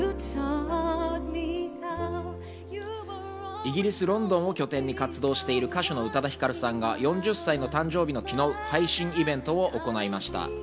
イギリス・ロンドンを拠点に活動している歌手の宇多田ヒカルさんが４０歳の誕生日の昨日、配信イベントを行いました。